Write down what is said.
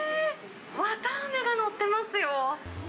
綿あめが載ってますよ。